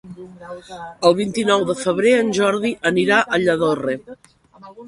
El vint-i-nou de febrer en Jordi anirà a Lladorre.